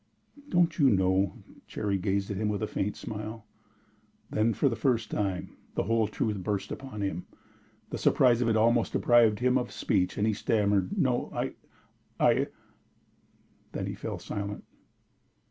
"Don't you know?" Cherry gazed at him with a faint smile. Then, for the first time, the whole truth burst upon him. The surprise of it almost deprived him of speech, and he stammered: "No, I I " Then he fell silent.